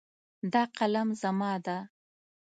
دا قلم زما ده